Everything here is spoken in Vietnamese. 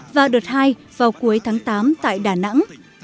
và đợt hai vào cuối tháng tám tại đà nẵng